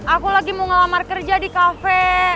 aku lagi mau ngelamar kerja di kafe